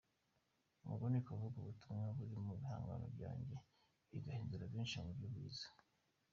Ubwo ni ukuvuga ubutumwa buri mu bihangano byanjye bigahindura benshii mu buryo bwiza.